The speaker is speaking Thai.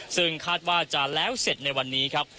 ซึ่งคาดว่าจะแล้วเสร็จในวันนี้ครับ